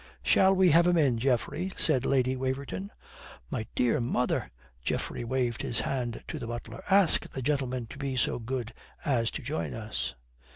"Shall we have him in, Geoffrey?" said Lady Waverton. "My dear mother!" Geoffrey waved his hand to the butler. "Ask the gentleman to be so good as to join us."